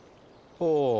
ほう。